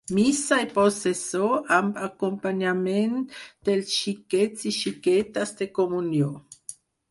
Missa i processó amb acompanyament dels xiquets i xiquetes de comunió.